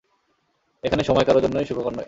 এখানে সময় কারো জন্যই সুখকর নয়।